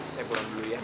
saya pulang dulu ya